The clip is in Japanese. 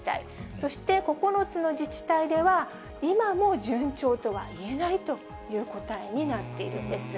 そして、９つの自治体では、今も順調とはいえないという答えになっているんです。